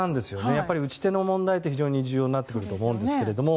やっぱり打ち手の問題は非常に重要になってくると思うんですけれども。